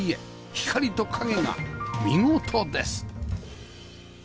光と影が見事です